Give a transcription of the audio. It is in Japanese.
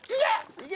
いけ！